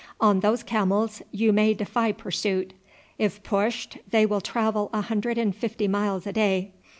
On those camels you may defy pursuit. If pushed they will travel a hundred and fifty miles a day.